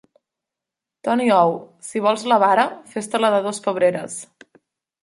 Toni Ou, si vols la vara fes-te-la de dos pebreres.